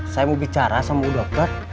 saya mau bicara sama dokter